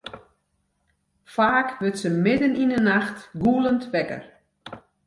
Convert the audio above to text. Faak wurdt se midden yn 'e nacht gûlend wekker.